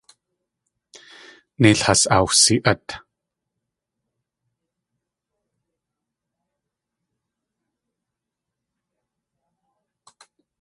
Neil has awsi.át.